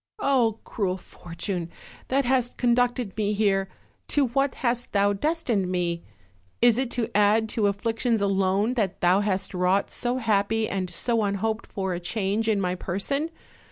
Oh, cruel fortune! that hast con ducted me here, to what hast thou destined me? Is it to add to afflictions alone, that thou hast wrought so happy and so unhoped for a change in my person?